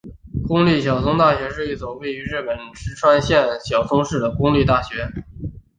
公立小松大学是一所位于日本石川县小松市的公立大学。